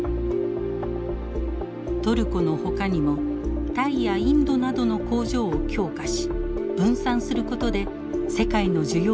トルコのほかにもタイやインドなどの工場を強化し分散することで世界の需要の変化に柔軟に対応しようとしています。